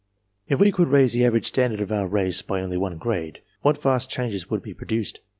If we could raise the average standard of our race only one grade, what vast changes would be produced